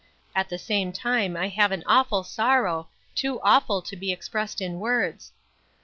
At the same time I have an awful sorrow, too awful to be expressed in words.